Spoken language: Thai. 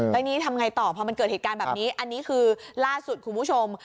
แล้วนี่ทำไงต่อพอมันเกิดเหตุการณ์แบบนี้อันนี้คือล่าสุดคุณผู้ชม